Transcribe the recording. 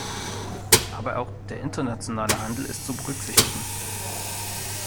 Aber auch der internationale Handel ist zu berücksichtigen.